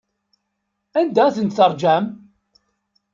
Anda ay tent-teṛjam?